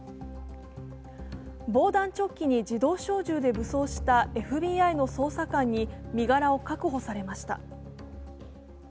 防弾チョッキに自動小銃で武装したＦＢＩの捜査官に身柄を確保されました。